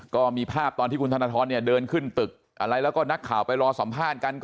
ก็มีภาพตอนที่คุณธนทรเดินขึ้นตึกอะไรแล้วก็นักข่าวไปรอสัมภาษณ์กัน